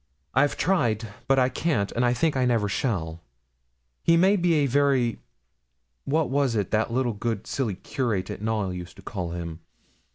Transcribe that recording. I've tried, but I can't, and I think I never shall. He may be a very what was it that good little silly curate at Knowl used to call him?